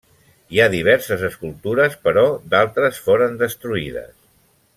Hi ha diverses escultures, però d'altres foren destruïdes.